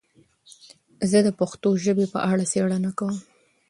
زه د پښتو ژبې په اړه څېړنه کوم.